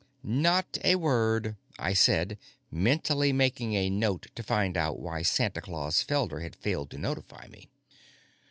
"Not a word," I said, mentally making a note to find out why Santa Claus Felder had failed to notify me.